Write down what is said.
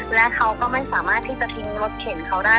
และเขาก็ไม่สามารถที่จะทิ้งรถเข็นเขาได้